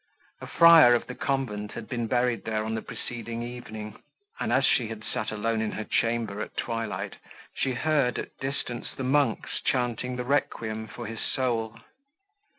A friar of the convent had been buried there on the preceding evening, and, as she had sat alone in her chamber at twilight, she heard, at distance, the monks chanting the requiem for his soul.